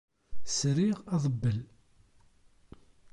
SriƔ abeddel.